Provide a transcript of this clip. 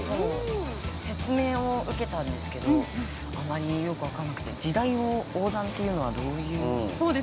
説明を受けたんですがあまりよく分からなくて時代を横断というのはどういうことなんですか？